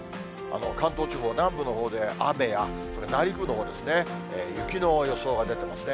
関東地方、南部のほうで雨や、内陸部のほうですね、雪の予想が出てますね。